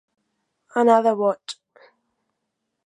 Anar de boig.